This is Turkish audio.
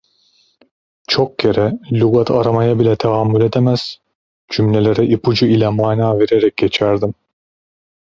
Çok kere lügat aramaya bile tahammül edemez, cümlelere ipucu ile mana vererek geçerdim.